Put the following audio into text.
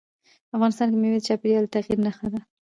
افغانستان کې مېوې د چاپېریال د تغیر نښه ده.